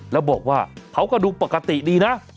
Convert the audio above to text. แล้วบอกว่าเขาก็ดูปกติดีนะ